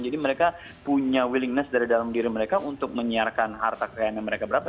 jadi mereka punya willingness dari dalam diri mereka untuk menyiarkan harta kekayaannya mereka berapa